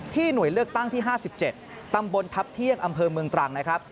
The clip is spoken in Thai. ที่หน่วยเลือกตั้งที่๕๗ตำบลทับเทียงเมืองตรัง